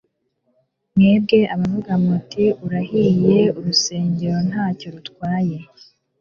mwebwe abavuga muti: Urahiye urusengero, ntacyo bitwaye,